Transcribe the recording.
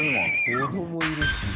子供いる。